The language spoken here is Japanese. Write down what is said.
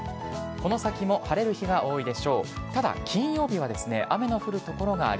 この先も晴れる日が多いでしょう。